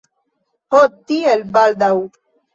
Ho, tiel baldaŭ!